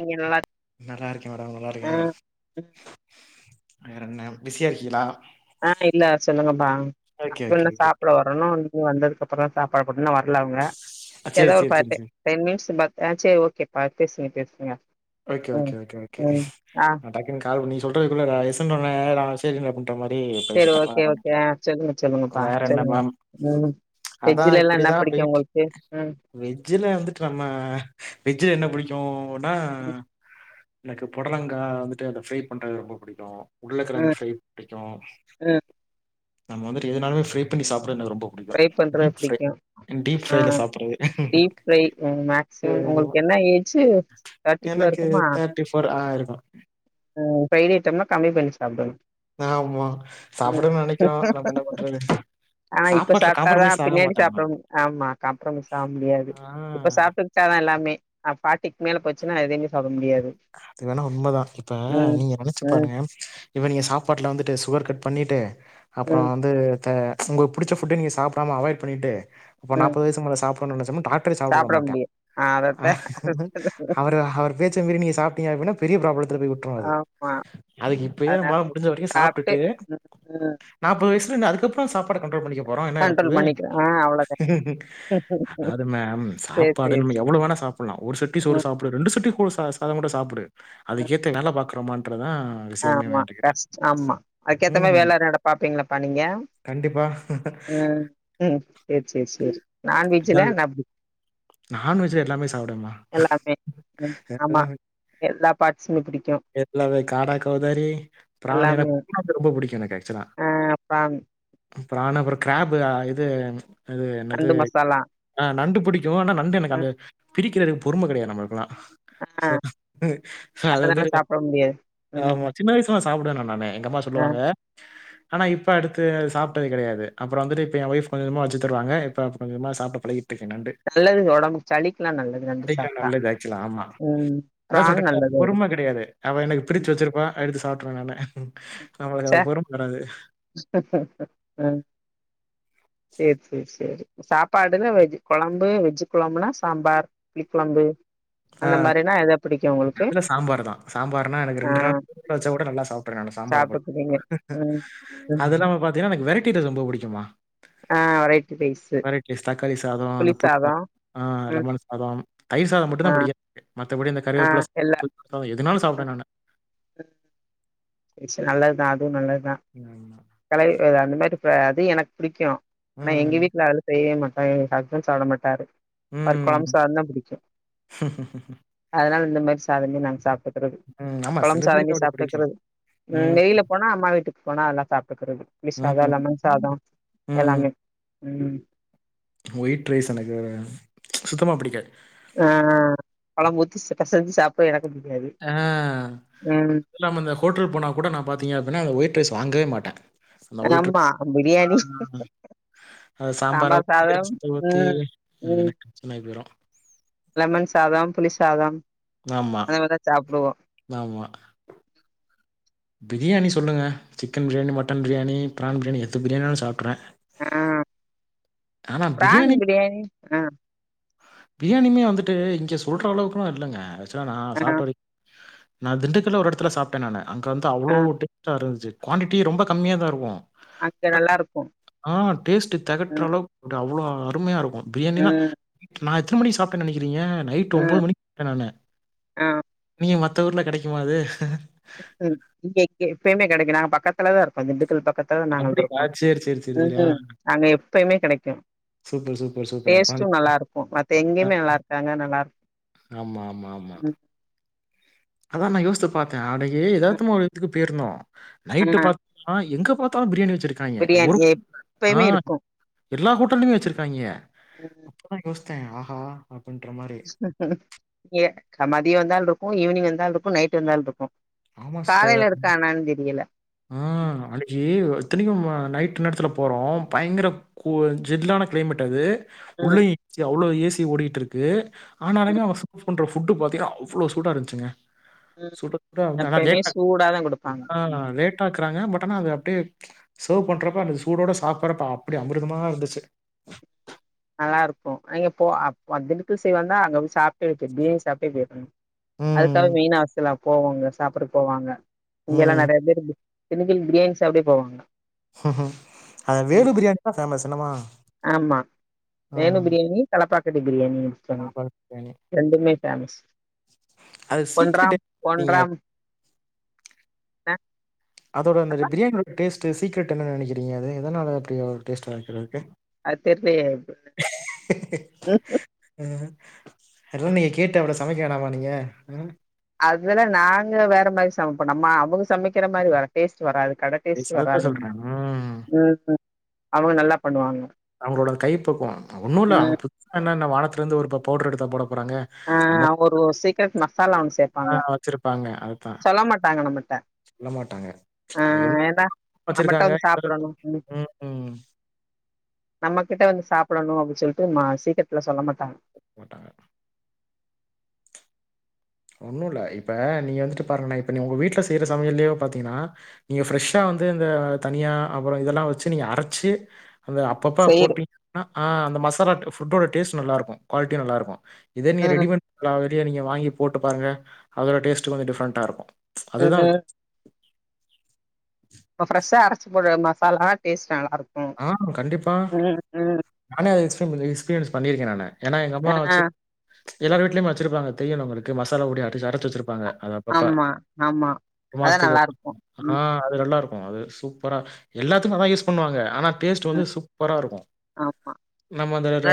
நீங்க நல்லாரு நல்லா இருக்கே மேடம் நல்லா இருக்கே வேற என்ன பிஸியா இருக்கீயலா ஆ இல்ல சொல்லுங்கப்பா ஓகே, அப்பில்லா ஓகே. சாப் ப்புட வரணு வந்ததுக்கப்பரோ சாப்பாடு போடுனு இன்னு வரல அவங்க சரி, ஏதா ஒரு சரி, சரி, பாட்டு சரி. டெண் டேஸ் பாத்தே செரி ஓகே பத்திஸ் பேசுங்க ஓகே ம் ஓகே ஓகே ஓகே ம் ஆ நா டக்குன்னு கால் பண்ணி சொல்றது குள்ளற எஸ்னுனோன நா சேரினு அப்டி சரி ஓகே ஓகே அ சொல்லுங்க சொல்லுங்கப்பா வேற என்ன சொல்லுங்க மேம்? ம் அதான் வெஜ்ஜில லா என்ன இப்படிதான் பிடிக்கு போயிட்டு இருக்கு. உங்களுக்கு ம் வெஜ்ஜில வந்துட்டு நம்ம வெஜ்ஜில என்ன புடிக்குனா ம் எனக்கு பொடலங்கா வந்துட்டு அத ஃப்ரை பண்றது ரொம்ப புடிக்கு உருளக்கெழங்கு ம் ஃப்ரை புடிக்கு ம் நம்ம வந்துட்டு எதனாலுமே ஃப்ரை பண்ணி சாப்புற எனக்கு ரொம்ப பிடிக்கும். ஃப்ரை பண்ற டீப் ஃப்ரை புடிக்கு டீப் ஆ ஃப்ரைல சாப்பிடுறது. டீப் ஃப்ரை மேக்சிமம் உங்களுக்கு என்ன ஏஜு தேர்ட்டிக்குள்ள எனக்கு தேர்ட்டி ஃபோர் ஆயிருக்கு ம்‌ ஃப்ரை ஐட்டம்லா கம்மி பண்ணி சாப்டுங்க ஆமா ம் சாப்டுனு நெனைக்கிறோ நம்ம என்ன பண்றது ஆ இப்ப சாப்பாட்ல சாப்டாதா காம்ப்ரமைஸ் ஆக பின்னாடி மாட்டானா? சாப்ட ஆமா காப்ரமைஸ் ஆக முடியாது ஆ. இப்ப சாப்ட்டுக் டா தா எல்லாமே ஃபாட்டிக்கு மேல போச்சுன்னா எதையுமே சாப்ட முடியாது அது வேணா உண்மதா இப்ப ம் நீங்க நெனச்சு ம் பாருங்க இப்ப நீங்க சாப்பாட்ல வந்துட்டு சுகர் கட் பண்ணிட்டு அப்புறோ ம் வந்து த உங்களுக்கு புடிச்ச ஃபுட்ட நீங்க சாப்டாம‌ அவாய்ட் பண்ணிட்டு அப்ரோ ம் நாப்பது வயசுக்கு மேல‌ சாப்பிடனு நெனச்சாலு டாக் டரே சாப்ட விட மாட்டா முடியு ஆ அதத்தா அவர் அவர் பேச்ச மீரி நீங்க சாட்டீங்க அப்டினா பெரிய பிராப்லதுல போய் வுட் ட்ரு அது ஆமா அதுக்கு இப்பயே அதனால நம்மலால முடிஞ்ச வரைக்கு சாப்ட்டு சாப்டுட்டு ம் ம் நாப்பது வயசுல என அதுக்கப்புற சாப்பாட கண்ட்ரோல் பண்ணிக்க போரோ என்னாய்ர கண்ட்ரோல் போது பண்ணிக்கிறோ ஆ அவ்ளோதா அது மேம் சேரி சாப்பாடு சேரி நம்ம எவ்ளோ வேணா சாப்புலா ஒரு சட்டி சோறு ம் சாப் புடு ரெண்டு சட்டி கூட சாத சாத கூட சாப்டு ம் அதுக்கு ஏத்த வேல பாக்றோமான்றதா ஆமா கஸ்ட் ஆமா அதுகேத்த மாரி ம். வேல எதாதிர்த பாப்பீங்ளாப்பா நீங்க கண்டிப்பா ம் ம் சேரி சேரி சேரி நான்வெஜ்ல அதாவது என்னாப்புடிக்கு நான்வெஜ்ல எல்லாமே சாப்டுவேம்மா எல்லாமே ம் ஆமா எல்லா பாட்ஸுமே புடிக்கு எல்லாவே காட கௌதாரி ப்ராண் எல்லாமே பு [inaudible] ரொம்ப புடிக்கு எனக்கு ஆக்சுவலா ப்ரான் ப்ரான் அப்றோ கிராப் இது அது என்னது நண்டு மசாலா ஆ நண்டு புடிக்கு ஆனா நண்டு எனக்கு அந்த ம், பிரிக்கிறது பொறும கெடயாது நம்மளுக்குலா ஆ அது அதனால வந்து இருக்க சாப்ட முடியாது ம் ஆமா சின்ன வயசு சாப்டுவேன நானு எங்க அம்மா ஆ சொல்லுவாங்க ஆனா இப்ப அடுத்து அது சாப்ட்டது கெடையாது அப்புறோ வந்துட்டு இப்ப என் ஒஃப் கொஞ்ச கொஞ்சமா வச்சு தருவாங்க இப்ப கொஞ்ச கொஞ்சமா சாப்டு பழகிட்ருக்கே நண்டு நல்லது ஒடம்புக்கு சளிக்கெல்லா நல்லது நண்டு கத்துக்கிட்டா சாப்ட்டா நல்லது ஆக்சுவலா ஆமா ம் அதா பிரான் சொல்றேல நல்லது பொறும ஒடம்புக்கு கெடையாது அவ எனக்கு பிரிச்சி வச்சிருப்பா எடுத்து சாப்ட்ருவே நானு நம்மளுக்கு அந்த பொறும வராது அ சேரி சேரி சேரி சாப்பாடுன்ன வெஜ் கொழம்பு வெஜ்ஜு கொழம்புனா சாம்பார் புளிக்கொழம்பு ஆ அந்த மாரினா எதோ அதுல சாம்பாரு தா சாம்பாருனா எனக்கு ரெண்டு நாள் ப்ரிஜ்ல வச்சா கூட நல்லா சாப்டுடுவே அந்த சாம் சாப்பிட்டுக்வீங்க ம் அது ம் இல்லாம பாத்தீங்கனா எனக்கு வெரட்டி இது ரொம்ப பிடிக்கும்மா ஆ ரைட்டு பேசு வெரைட்டி தக்காளி ஸாதோ அந்த புளி ஸாதோ ஆ ம் லெமன் ஸாதோ தயிர் ஸாதோ மட்டு ஆ தா பிடிக்கா மத்தபடி இந்த ஆ கருவேப்புல எல்லா ஸாதோ [inaudible] எதுனாலு சாப்டுவே ம் நானு ஆக்சுவலா நல்லதுதா அதுவு நல்லதுதா ம் கெளரி அந்த மாரி அது எனக் புடிக்கு ஆனா எங்க ம். வீட்ல அலு செய்ய மாட்டாரு எங்க ஹஸ்பண் சாப்ட மாட்டாரு அவர்க்கு கொழம்பு ம். சாத தா பிடிக்கு அதனால இந்த மாரி சாதமே நாங்க சாப் ம். ஆமா. சில கொழம்பு பேருக்கு ஸாதமே அப்படி பிடிக்கலாம். சாப்டுக்றது ம் வெளியில போனா அம்மா வீட்டுக்குப்போனா நல்லா சாப்புட்டுக்றது புளி சாதொ ம். லெமன் சாதொ ம். எல்லாமே ம் ஒயிட் ரைஸ் எனக்கு சுத்தமா பிடிக்காது ஆ கொழம் ஊத்தி பெசெஞ்சு சாப் சோ எனக்கு புடிக்காது ஆ ம் நம்ம இந்த ஹோட்டல் போனா கூட நா பாத்தீங்க அப்டின்னா அந்த ஒயிட் ரைஸ் வாங்கவே மாட்டே ஆமா பிரியாணி அத சாம்பார சாம்பார் ஊத்தி சாதம் ரசத்த ஊத்தி ம் ம் எனக்கு டென்சன் ஆயிப் போயுரு லெமன் சாதம் புளி சாதம் ஆமா, அத மாரிதா சாப்டுவோ ஆமா பிரியாணி சொல்லுங்க chicken biryani mutton biryani prawn biryani egg பிரியாணினாலு சாப்ட்ருவே ஆ ப்ரான் பிரியாணி ஆ பிரியாணியுமே வந்துட்டு இங்க சொல்ற அளவுகுல்லா இல்லங்க ஆக்சுவலா நா ஆ சாப்ட வரை நா திண்டுக்கல்ல ஒரு எடத்துல சாப்ட்ட நானு அங்க வந்து ஆ அவ்ளோ டேஸ்ட்டா இருந்துச்சு கோண்டிட்டி ரொம்ப கம்மியா தா இருக்கு அங்க நல்லாருக்கு ஆ டேஸ்ட்டு தெகட்றளவுக் அவ்ளோ அருமையா இருக்கு பிரியாணினா ம் நா எத்தன மணிக் சாப்ட்டேன் நெனைக்கிறீங்க நைட் ம் ஒம்போது மணிக் கு நானு ஆ நீங்க மத்த ஊர்ல கெடைக்குமா அது ம் இங்க இங்க எப்பயுமே கெடைக்கு நாங்க பக்கத்துலதா இருக்கோ திண்டுக்கல் பக்கத் துல அப்படிங்களா? நாங்கள்ருக்கோ சரி, சரி, சரி, சரி. ஆ ம் அங்க எப்பயுமே கெடைக்கு சூப்பர் சூப்பர் சூப் டேஸ்ட்டு நல்லாருக்கு மத்த எங்கயுமே நல்லாருக்காத் அங்க நல்லாருக்கு ஆமா ஆமா ஆமா அதா நா யோஸ்த்து பாத்தே அன்னிக்கு எதார்த்தமா ஒரு இதுக்கு போயிருந்தோ ஆ நைட்டு பத் ஆனா எங்க பாத்தாலு பிரியாணி வெச்சிருக் காய்ங்க பிரியாணி ஒரு அ எப்பயுமே இருக்கு எல்லா ஹோட்டல்லிமே வெச்சிருக்காய்ங்க அப்ப தா யோஸ்த்தே ஆஹா அப்பிட்ன்ற மாரி இங்க அ மதியோ வந்தால்ருக்கு ஈவினிங் வந்தால்ருக்கு நைட் வந்தால்ருக்கு ஆமா சிஸ்டர் ம் அன்னிக்கி இத்தனைக்கு அ நைட்டு நேரத்துல போறோ பயங்கர கூல் ஜில்லான க்ளைமேட் அது ம் உள்ளயு சி அவ்ளோ ஏ சி ஓடிட்டுருக்கு ஆனாலுமே ம் அவ சூ சூ பண்ற ஃபுட்டு பாத்தீங்கன்னா அவ்ளோ சூடா இருந்ச்சுங்க ம் சுட இருந் ஆனா எப்பயுமே லேட்டாக் சூடாதா குடுப்பாங்க [inaudible] ஆனா ம் லே லேட்டாக்றாங்க பட் ஆனா அது அப்டே சர்வ் பண்றப்போ அந்த சூடோட சாப்பட்றப்ப அப்டியே அமிர்தமா இருந்துச்சு நல்லாருக்கு அங்க போ அப் அ திண்டுக்கல் சைட் வந்தா அங்க போய் சாப்ட்டிருக்கே பிரியாணி சாப்டே போயிருக்கங்க அதுக்காக ம். மெயின் ஆஸ்ல்லா போவோங்க சாப்பட்றக்கு போவாங்க இங்கெல்லா ம். நெறைய பேரு திண்டுக்கல் பிரியாணி சாப்டவே போவாங்க அந்த வேணு பிரியாணி தா ஃபேமஸ் என்னமா ஆமா வேணு பிரியாணி, தலப்பாகட்டி பிரியாணியு ஞாபக [inaudible] டே ரெண்டுமே ஃபேமஸ் அது பொன்றாம் சீக்ரெட் பொன்றாம் அ அதோட அந்த பிரியாணியோட டேஸ்ட்டு சீக்ரெட் என்னன் நெனைக்கறீங்க அது எதனால அப்டியா ஒரு டேஸ்ட்டு வகிக்குறதுக்கு அது தெர்லயே ஏனு ம் அதெல்லா நீங்க கேட்டப்றோ சமைக்க வேணாமா நீங்க ம் அதுல்லா நாங்க வேற மாரி சமைப்போ நம்ம அவங்க சமைக்கிற மாரி வரா டேஸ்ட்டு வராது கட ஏய், டேஸ்ட்டு சதத்தை வராது நமக்கு சொல்றேன் உம் ம் ம் அவங்க நல்லா பண்ணுவாங்க அவுங்களோட கை பக்குவோ ம் ஒன்னு இல்ல அவங்க ம் புதுசா என்னன்ன வானத்துலர்ந்து ஒரு ப பவுட்ரு எடுத்தா போட போறாங்க ஆ நம்ம ஒரு ஒரு சீக்ரெட் மசாலா ஒன்னு சேர்ப்பாங்க தான் வச்சிருப்பாங்க அதுதான் சொல்ல மாட்டாங்க நம்மட்ட சொல்ல மாட்டாங்க ஆ அத எதுக் ஏன்னா [inaudible] நம்மட்ட வச்சிருக்காங்க வந்து எந்தளவுக் சாப்புடணு [inaudible] ம் ம் நம்ம கிட்ட வந்து சாப்பிடனு அப்டி சொல்ட்டு மா சீக்ரெட்லா சொல்ல மாட்டாங்க மாட்டாங்க ஒன்னு இல்ல இப்ப நீங்க வந்துட்டு பாருங்க நா இப்ப நீங்க உங்க வீட்ல செய்ற சமையல்லே பாத்தீங்கன்னா நீங்க ஃப்ரெஷ்ஷா வந்து இந்த தனியா அப்றோ இதெல்லா வச்சு நீங்க அரச்சு அந்த அப்பப்ப செய்யற போட்டீங்க அப்டினா ஆ அந்த மசாலா ஃபுட்டோட டேஸ்ட் நல்லாருக்கு க்வாலிட்டி நல்லாருக்கு இதே நீங்க ம் ரெடிமேட் எல்லா ரெடியா நீங்க வாங்கி போட்டு பாருங்க அதோட டேஸ்ட்டு கொஞ்சோ டிஃப்ரண்டா இருக்கு ஏ ரே இப்ப ஃப்ரெஷ்ஷா அரச்சு போடுற மசாலா டேஸ்ட் நல்லாருக்கு அ கண்டிப்பா ம் ம் நானே அது எக்ஸ்ப எக்ஸ்பீரியன்ஸ் பண்ணியிருக்க நானு ஏன்னா எங்க அம்மா ஆ வச்சு எல்லார் வீட்லயும் வச்சிருபாங்க தையன்ன உங்களுக்கு மசாலா ஓடி ஆட்டி அரைச்சு வச்சுருப்பாங்க அத அப்பப்பா ஆமா ஆமா ஒரு அதா மாசத்துக்கு நல்லாருக்கு [inaudible] ஆ ம் அது நல்லா இருக்கு அது சூப்பரா எல்லாத்துக்கு அதா யூஸ் பண்ணுவாங்க ஆனா டேஸ்ட் வந்து ம் சூப்பரா இருக்கு ஆமா நம்ம அந்த ர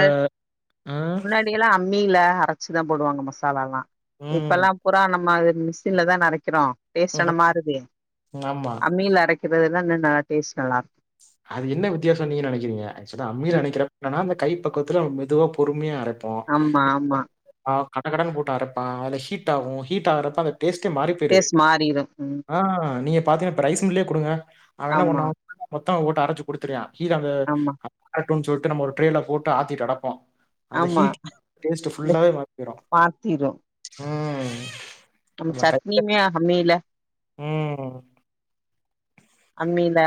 அ எல்லா அம்மில அரச்சுதா போடுவாங்க மசாலால்லா இப்ப ம். எல்லா புரா நம்ம மிஸின்ல தான அரைக்கிறோ டேஸ்ட்லா ம்ஹ்ம். மாருதே ஆமா. அம்மில அரைக் அரைக்கறதுனா இன்னு நல்ல டேஸ்ட் நல்லா அது என்ன வித்தியாசோ நீீங்க நெனைக்கிறிங்க அம்மில ம் அரைக் [inaudible] றனா அந்த கை பக்குவத்துல மெதுவா பொறுமியா ஆமா ஆமா அ கட கடனு போட்டு அரப்பா அதுல ஷீட் ஆகு ஹீட் ஆகறத்த டேஸ்ட்டே மாறி போயிடுது டேஸ்ட் மாறிரு ம் ஆ நீங்க பாத்தீங்கன்னா ப்ரை சிம்லே கொடுங்க அவ என்ன ஆமா பண்ணு ஓட்ட அரைச்சு குடுத்துர்அ கீழ [inaudible] ஆமா சொல்ட்டு நம்ம ஒரு ட்ரேல போட்டு ஆத்திட்டு அடப்போ அந்த ஆமா ஹீட் [inaudible] டேஸ்ட் ஃபுல்லாவே மாத்திரு மாத்திரு ம் நம்ம கையில சட்னியுமே அம்மில ம் அம்மியில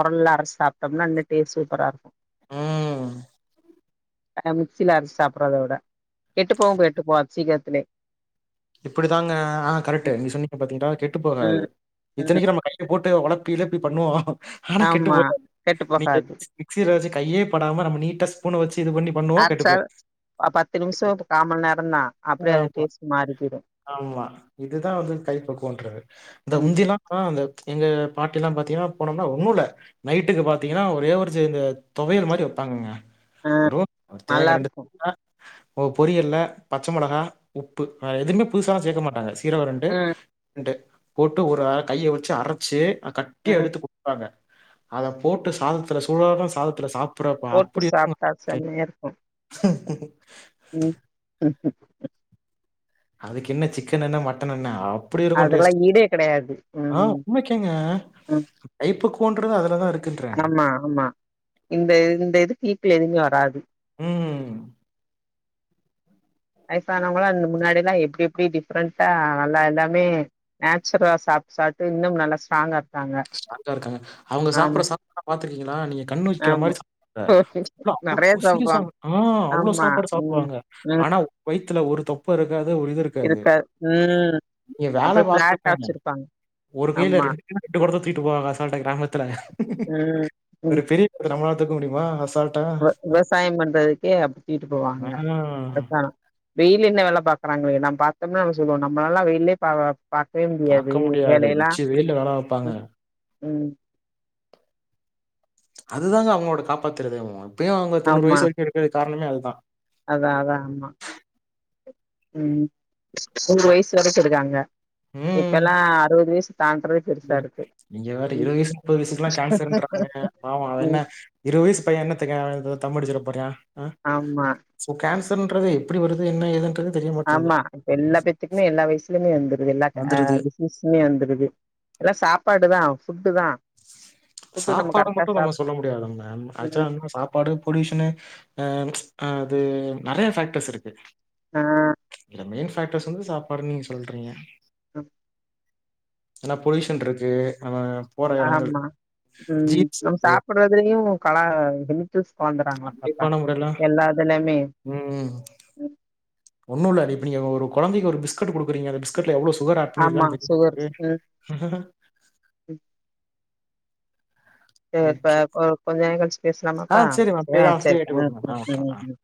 ஒரல்ல அரச்சு சாப்டம்னா இன்னு டேஸ்ட் சூப்பரா இருக்கு ம் அ முச்சில அரச்சு சாப்படறத விட கெட்டு போவு கெட்டுப்போவாது சீக்கரத்துலே இப்டித்தாங்க ஆ கரட்டு நீங்க சொன்னீங்க பாத்தீங்கா கெட்டு போகாது ம் ம் இத்தனைக்கு நம்ம கை போட்டு ஒளப்பி இளப்பி பண்ணுவோ ஆனா கெட்டு ஆமா போகாது கெட்டு நீங்க போகாது மிக்சில வச்சு கையே படாம நம்ம நீட்ட ஸ்பூன் அ வச்சி இது பண்ணி பண்ணுவோ கெட்டு அரைச்சா போயிரு பத்து நிமிசோ காமண் நேரந்தா அப்டே அது ஆமா டேஸ்ட் மாறி போய்டும் ஆமா இதுதா வந்து கைப்பக்குவன்றது இந்த ம் முந்திலா அ அந்த எங்க பாட்டில்லா பாத்தீங்கன்னா போனம்னா ஒண்ணுல்ல நைட்டுக்கு பாத்தீங்கன்னா ஒரே ஒரு ச இந்த தொவையல் மாரி வப்பாங்கங்க ஆ வெறு நல்லா தேங்கா ரெண்டு [inaudible] இருக்கு பொரிகல்ல பச்சமொளகா உப்பு வேற எதுமே புதுசாலா சேக்க மாட்டாங்க சீரகோ ரெண்டு ம் [inaudible] ரெண்டு போட்டு ஒரு கைய வச்சு அரச்சு கட்டியா ம் எடுத்து பாங்க அத போட்டு சாதத்துல சூடான சாதத்துல சாப் ப்பட ப போட்டு அப்டி சாப்ட்டா இருக்கு செம்மையா இருக்கு ம் அதுக்கென்ன சிக்கன் என்ன மட்டன் என்ன அப்டி இருக்கு அதுக்கெல்லா டேஸ்ட் ஈடே கெடையாது ம் அ உண்மைக்கேங்க ம் கைப்பக்கும்வம்கிறது அதுல தா இருக் ஆமா ஆமா இந்த இந்த இது இதுக் ஈக்குவல் எதுமே வராது ம் வயசானவங்களா முன்னாடி எல்லா எப்டி எப்டி டிஃப்ரெண்ட்டா நல்லா எல்லாமே நேச்சுரலா சாப்ட்டு சாப்ட்டு இன்னும் நல்லா ஸ்ட்ராங்கா இருக்காங்க ஸ்டராங்கா இருக்காங்க அவுங்க ஆமா சாப்பட்ற சாப்பாட பாத்துருக்கீங்களா நீங்க கண்ணு வக்கிற மாரி ஆமா ச [inaudible] ஃபுல்லா நெறைய அவ்ளோ சீரியஸ்ஸாங் சாப்டுவாங்க ஆள் அவ்ளோ ஆமா சாப்பாடு ம் சாப்டுவாங்க ம் ஆனா வயித்தில ஒரு தொப்ப இருக்காது ஒரு இது இருக்காது நீங்க வேல அப்டியே ஃபிளாட்டா பாக்கணுமே வச்சிருப்பாங்க ஒரு கைல ஆமா ரெண்டு கொடத்த தூக்கிட்டு போவாங்க அசால்டா கிராமத்துல ம் ஒரு பெரிய கொ [inaudible] நம்மளால தூக்க முடியுமா அசால் ப விவசாயம் பண்றதுக்கே அப்டி தூக்கிட்டு ஆ போவாங்க அரசானோ வெயில் என்ன வேல பாக்குறாங்களே நா பாத்தோம்னா நம்ம சொல்லுவோ நம்மலால்லா வெயில்லயே பா வ பாக்கவே முடியாது பாக்க வேலேயெல்லா உச்சி வெயில்ல வேல பாப்பாங்க. ம் அதுதாங்க அவுங்களோட காப்பாத்துறதேவு இப்பேயு அவுங்க தொண்ணூறு ஆமா வயசு வரைக்கு இருக் க்குறதுக்கு காரணமே அதுதா அதா அதா ஆமா ம் நூறு வயசு வரைக்கு இருக்காங்க ம். இப்பெல்லா அறுவது வயசு தான்றது நீங்க வேற இருவது வயசு முப்பது வயசுக்கெல்லா கேன்சர்ன்றாங்க பாவோ அது என்ன ம் இருவது வயசு பையே என்னத் தெரியு அவ தம்மடுச்சுற போறா ஆ ஆமா சோ கேன்சர்ன்றது எப்புடி வருது என்ன ஏதுன்றது தெரிய மாட்டேங்குது. ஆமா இப்ப எல்லா பேத்துக்குமே எல்லா வயசுலயுமே வந்துருது எல்லா ஆ வந்துருது. திஸ் மிஷ்மி வந்துருது எல்லா சாப்பாடு தா ஃபுட்டு தா ஃபுட்டு நம்ம சாப்பாட கரெக்டா மட்டு நம்ம சாப் சொல்ல முடி முடியாதுங்க ம் ஆக்சுவலா என்ன சாப்பாடு பொல்யூஷனு ஆ அது நெறையா ஃபேக்டர்ஸ் இருக்கு ஆ ஆ இல்ல மெயின் ஃபாக்டர்ஸ் வந்து சாப்பாடுன்னு நீங்க சொல்றீங்க அ ஏன்னா பொல்யூஷன்ட்ருக்கு நம்ம போற எடங்கள் ஆமா ம் நம்ம சாப்படுறதுலயு கலா என் கில்ஸ் வாங்குறாங்களா அப்ப கண்டிப்பான முறையில எல்லாதுலயுமே ம் ம் ஒன்னுல்ல நீ இப்ப நீங்க ஒரு கொழந்தைக்கு ஒரு பிஸ்கட்டு குடுக்குறீங்க அத பிஸ்கட்ல எவ்ளோ சுகர் ஆட் ஆட் பண்ணி ஆமா இருக்கான்னு தெரியுமா சுகர் ம் உங்களுக்கு சேர்ப்பா ஓகே. கொ கொஞ்ச நேரங் கழுச்சு ஆ பேசலாமாப்பா சரி மேம். அப்படியே ஏ தான் ஃப்ரீ செரி ஆயிட்டு ம் கூப்பிடுங்க. ஆ. ம் ம்